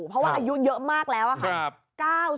เพราะว่าอายุเยอะมากแล้วค่ะ